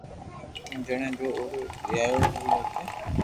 ھون جڻي جو او رييايوڙي رھي ھيي